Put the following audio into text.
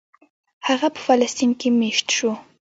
هغه په فلسطین کې مېشت شو.